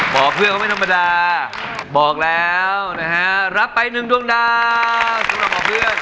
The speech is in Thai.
บ่อเพื่อนเขาไม่ธรรมดารับไปนึงดวงดาว